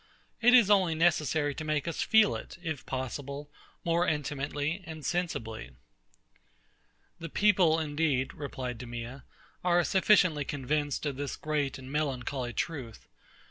It is only necessary to make us feel it, if possible, more intimately and sensibly. The people, indeed, replied DEMEA, are sufficiently convinced of this great and melancholy truth.